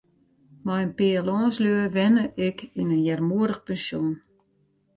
Mei in pear lânslju wenne ik yn in earmoedich pensjon.